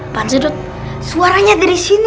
panjodot suaranya dari sini